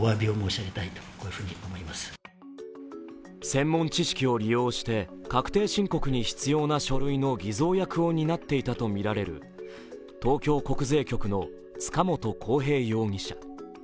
専門知識を利用して確定申告に必要な書類の偽造役を担っていたとみられる東京国税局の塚本晃平容疑者。